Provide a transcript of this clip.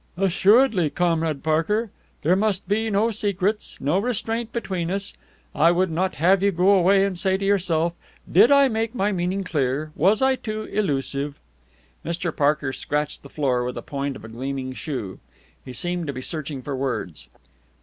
"Assuredly, Comrade Parker. There must be no secrets, no restraint between us. I would not have you go away and say to yourself, 'Did I make my meaning clear? Was I too elusive?'" Mr. Parker scratched the floor with the point of a gleaming shoe. He seemed to be searching for words.